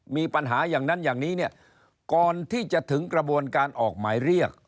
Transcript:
มีปัญหาอย่างนั้นอย่างนี้เนี่ยก่อนที่จะถึงกระบวนการออกหมายเรียก